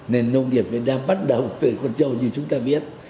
nên nông nghiệp việt nam bắt đầu từ con trâu như chúng ta biết